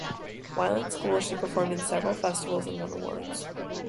While in school she performed in several festivals and won awards.